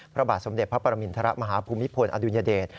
พระบาทสมเด็จพระปรมินทรมาฮภูมิพลอดุญเดช